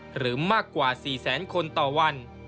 หรือมากกว่า๔แสนคนต่อวัน